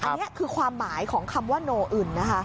อันนี้คือความหมายของคำว่าโนอึนนะคะ